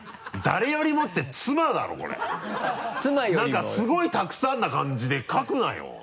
何かすごいたくさんな感じで書くなよ！